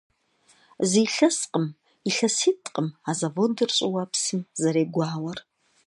Зы илъэскъым, илъэситӀкъым а заводыр щӀыуэпсым зэрегуауэр.